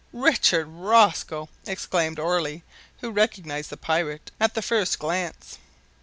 "Richard Rosco!" exclaimed Orley, who recognised the pirate at the first glance.